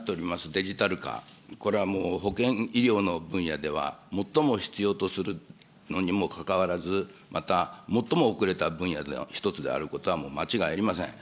デジタル化、これはもう保険医療の分野では最も必要とするのにもかかわらず、また最も遅れた分野の一つであることはもう間違いありません。